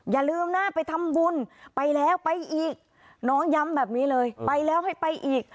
อย่าลืมนะไปทำบุญไปแล้วไปอีกน้องย้ำแบบนี้เลยไปแล้วให้ไปอีก